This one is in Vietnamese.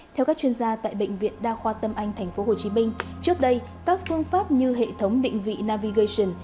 theo các chuyên gia tại bệnh viện đa khoa tâm anh tp hcm trước đây các phương pháp như hệ thống định vị navigation